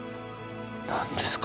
何ですか？